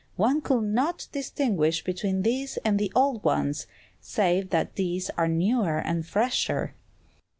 One could not distinguish between these and the old ones, save that these are newer and fresher."